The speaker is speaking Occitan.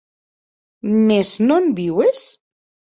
Mès non viues?